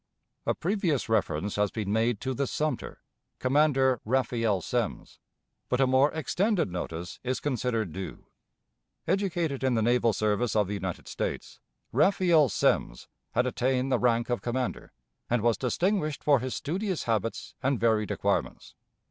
A previous reference has been made to the Sumter, Commander Raphael Semmes, but a more extended notice is considered due. Educated in the naval service of the United States, Raphael Semmes had attained the rank of commander, and was distinguished for his studious habits and varied acquirements.